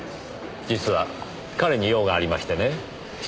実は彼に用がありましてね。